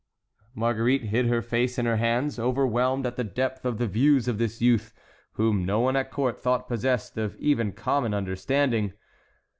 Marguerite hid her face in her hands, overwhelmed at the depth of the views of this youth, whom no one at court thought possessed of even common understanding.